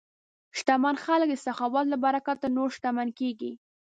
شتمن خلک د سخاوت له برکته نور شتمن کېږي.